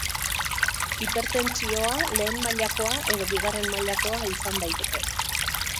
Hipertentsioa lehen mailakoa edo bigarren mailakoa izan daiteke.